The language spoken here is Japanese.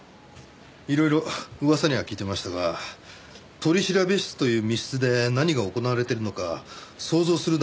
いろいろ噂には聞いてましたが取調室という密室で何が行われているのか想像する